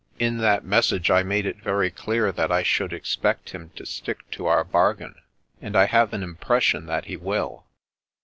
In that message I made it very clear that I should expect him to stick to our bar gain, and I have an impression that he will."